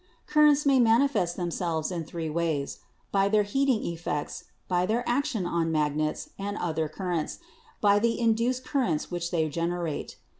"Currents may manifest themselves in three ways: by their heatinj effects, by their action on magnets and on other currents, by the induced currents which they gen erate.